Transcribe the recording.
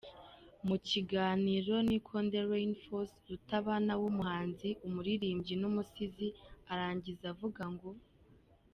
Mu kiganiro n’Ikonderainfos, Rutabana w’umuhanzi, umulirimbyi n’umusizi, arangiza avuga ngo